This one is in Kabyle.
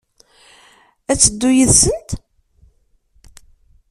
Ad d-teddu yid-sent?